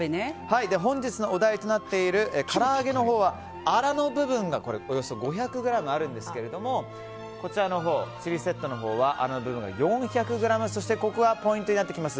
本日のお題となっているから揚げのほうはアラの部分が、およそ５００ｇあるんですけれどもちりセットのほうはアラの部分が４００ｇそしてここがポイントになってきます。